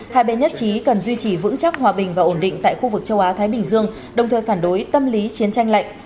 hai bên nhất trí cần duy trì vững chắc hòa bình và ổn định tại khu vực châu á thái bình dương đồng thời phản đối tâm lý chiến tranh lạnh